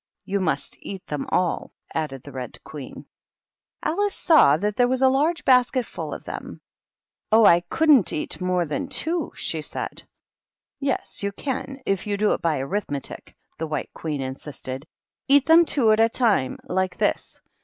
"You must eat them all," added the Red Queen. Alice saw that there was a large basket fiill of them. " Oh, I couldnH eat more than two^^ she said. " Yes, you can, if you do it by arithmetic," the White Queen insisted. " Eat them two at a time, like this.